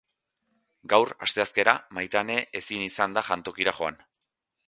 Gaur, asteazkena, Maitane ezin izan da jantokira joan.